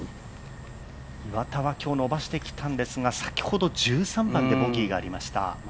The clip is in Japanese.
岩田は今日伸ばしてきたんですが先ほど１３番でボギーがありました。